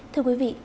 thưa quý vị